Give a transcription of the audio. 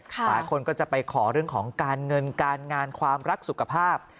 หลายคนก็จะไปขอเรื่องของการเงินการงานความรักสุขภาพ